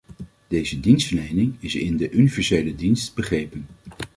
Deze dienstverlening is in de universele dienst begrepen.